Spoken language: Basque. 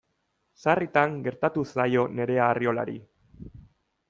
Sarritan gertatu zaio Nerea Arriolari.